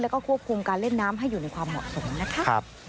แล้วก็ควบคุมการเล่นน้ำให้อยู่ในความเหมาะสมนะคะ